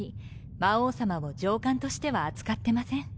魔王様を上官としては扱ってません。